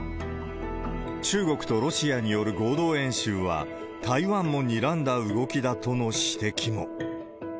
中国とロシアによる合同演習は、台湾もにらんだ動きだとの指摘も。